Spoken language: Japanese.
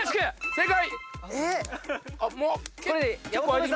正解！